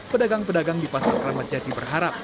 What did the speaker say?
pedagang pedagang di pasar keramat jati berharap